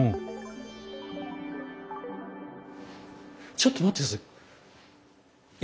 ちょっと待って下さい。